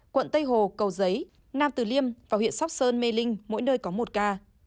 quận tây hồ cầu giấy nam từ liêm và huyện sóc sơn mê linh mỗi nơi có một ca